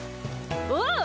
おう。